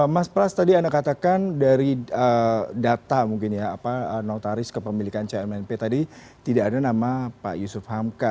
mas pras tadi anda katakan dari data mungkin ya notaris kepemilikan cmnp tadi tidak ada nama pak yusuf hamka